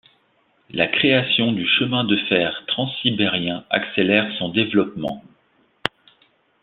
La création du chemin de fer Transsibérien accélère son développement.